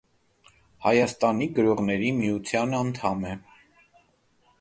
Հայաստանի գրողների միության անդամ է։